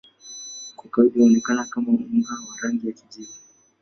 Kwa kawaida huonekana kama unga wa rangi ya kijivu.